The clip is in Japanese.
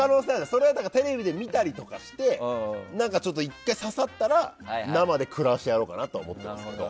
それはテレビで見たりとかして１回、刺さったら生でくらわしてやろうかなとは思ってますけど。